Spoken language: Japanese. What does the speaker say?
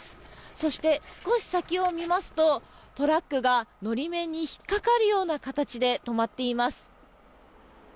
そして、少し先を見ますとトラックが法面に引っかかるような形で止まっています。